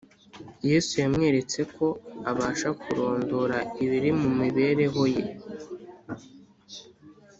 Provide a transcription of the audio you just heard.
Yesu yamweretse ko abasha kurondora ibiri mu mibereho ye